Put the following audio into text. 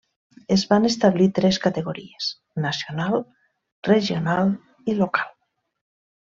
Es van establir tres categories: nacional, regional i local.